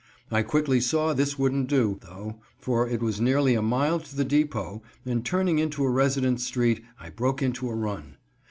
I quickly saw this wouldn't do, though, for it was nearly a mile to the depot, and turning into a residence street, I broke into a run.